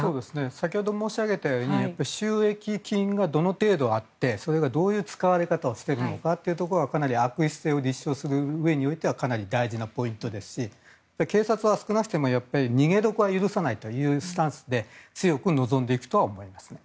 先ほど申し上げたように収益金がどの程度あってそれがどういう使われ方をしてるかってところがかなり悪質性を立証するうえにおいては大事なポイントですし警察は少なくとも逃げ得は許さないというスタンスで強く臨んでいくとは思います。